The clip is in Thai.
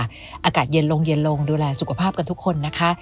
อากาศเย็นลงเย็นลงดูแลสุขภาพกันทุกคนนะคะ